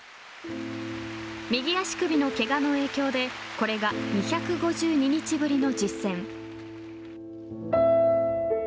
右足首のケガの影響でこれが２５２日ぶりの実戦。